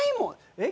えっ？